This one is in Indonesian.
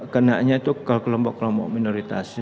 kenaknya itu kelompok kelompok minoritas ya